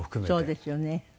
そうですよね。